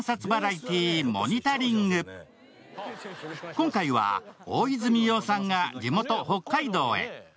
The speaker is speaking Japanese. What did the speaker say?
今回は大泉洋さんが地元・北海道へ。